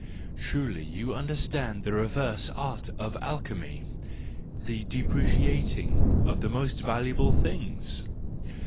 Truly, you understand the reverse art of alchemy, the depreciating of the most valuable things